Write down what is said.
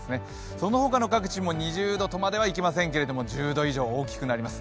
その他の各地も２０度まではいきませんけど１０度以上、大きくなります。